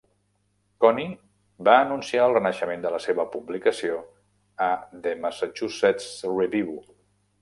Cooney va anunciar el renaixement de la seva publicació a "The Massachusetts Review".